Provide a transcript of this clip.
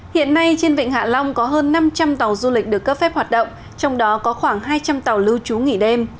hiện nay trên vịnh hạ long có hơn năm trăm linh tàu du lịch được cấp phép hoạt động trong đó có khoảng hai trăm linh tàu lưu trú nghỉ đêm